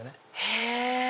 へぇ。